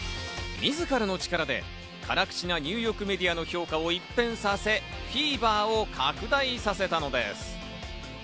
自らの力で辛口なニューヨークメディアの評価を一変させ、フィーバーを拡大させたのです。